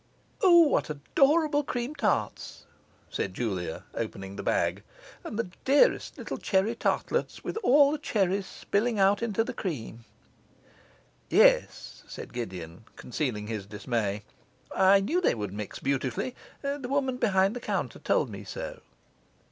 'O what adorable cream tarts!' said Julia, opening the bag, 'and the dearest little cherry tartlets, with all the cherries spilled out into the cream!' 'Yes,' said Gideon, concealing his dismay, 'I knew they would mix beautifully; the woman behind the counter told me so.